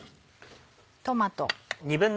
トマト。